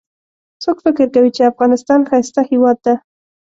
څوک فکر کوي چې افغانستان ښایسته هیواد ده